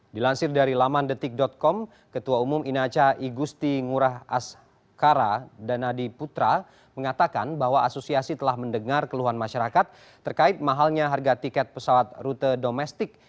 dilansir dari laman detik com ketua umum inaca igusti ngurah askara danadi putra mengatakan bahwa asosiasi telah mendengar keluhan masyarakat terkait mahalnya harga tiket pesawat rute domestik